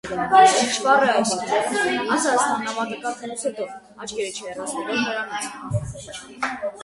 - Ի՜նչ թշվառ է և այս կինը,- ասաց նա, նամակը կարդալուց հետո, աչքերը չհեռացնելով նրանից: